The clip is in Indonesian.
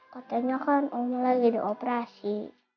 katanya kan oma lagi di operasi